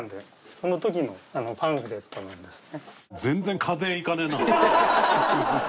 その時のパンフレットなんですね。